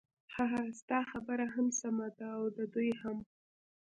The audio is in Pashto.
ههه ستا خبره هم سمه ده او د دوی هم.